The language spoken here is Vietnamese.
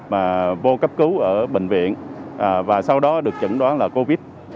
mà vô cấp cứu ở bệnh viện và sau đó được chẩn đoán là covid